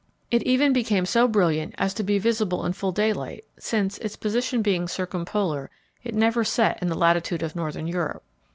It even became so brilliant as to be visible in full daylight, since, its position being circumpolar, it never set in the latitude of Northern Europe.